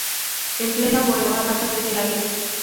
En pleno vuelo ataca desde el aire.